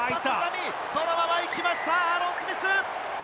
そのまま行きました、アーロン・スミス。